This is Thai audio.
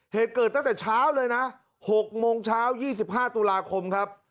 เหตุเกิดตั้งแต่เช้าเลยนะ๖โมงเช้า๒๕ตุลาคมครับ